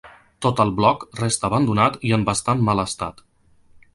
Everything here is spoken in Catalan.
Tot el bloc resta abandonat i en bastant mal estat.